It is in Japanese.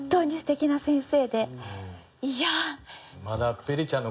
いや。